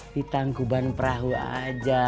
di tangkuban perahu aja